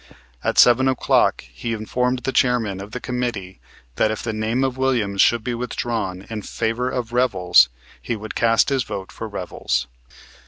At 7 o'clock he informed the chairman of the committee that if the name of Williams should be withdrawn in favor of Revels he would cast his vote for Revels.